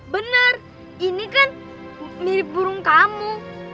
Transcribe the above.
benar ini kan mirip burung kamu